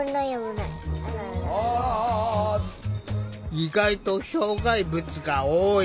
意外と障害物が多い。